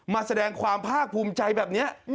มาแสดงความภาคภูมิใจแบบนี้